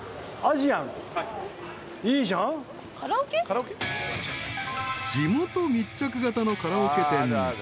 ［地元密着型のカラオケ店］